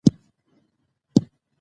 که هڅه وي نو ناکامي نه پاتیږي.